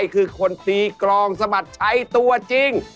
คือคนตีกรองสมัครชัยตัวจริง